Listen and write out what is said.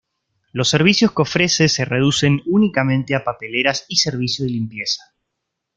Los servicios que ofrece se reducen únicamente a papeleras y servicio de limpieza.